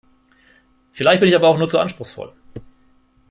Vielleicht bin ich aber auch nur zu anspruchsvoll.